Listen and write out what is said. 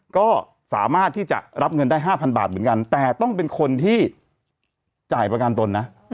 ก็สามารถที่จะรับเงินได้๕๐๐บาทเหมือนกันแต่ต้องเป็นคนที่จ่ายประกันตนนะ